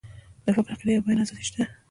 د فکر، عقیدې او بیان آزادي شته.